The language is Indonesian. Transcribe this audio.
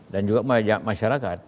dan juga masyarakat